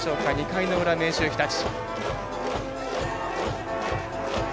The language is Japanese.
２回の裏、明秀日立。